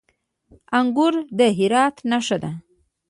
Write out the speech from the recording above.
انګور د هرات نښه ده.